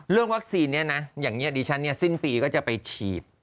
เรื่องวัคซีนนี้นะอย่างนี้อดีชันสิ้นปีก็จะไปฉีด